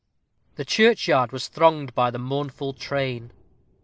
The churchyard was thronged by the mournful train.